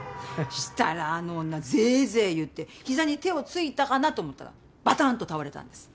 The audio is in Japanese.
したらあの女ゼーゼー言って膝に手をついたかなと思ったらバタンと倒れたんです。